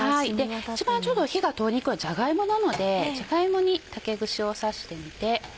一番火が通りにくいのがじゃが芋なのでじゃが芋に竹串を刺してみて。